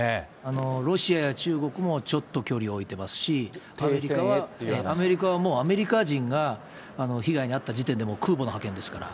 ロシアや中国もちょっと距離を置いてますし、アメリカはもう、アメリカ人が被害に遭った時点でもう空母の派遣ですから。